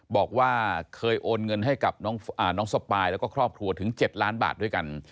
บอกว่าเคยโอนเงินให้กับน้องสปายแล้วก็ครอบครัวถึง๗ล้านบาทด้วยกัน